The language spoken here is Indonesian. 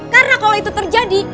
karena kalau itu terjadi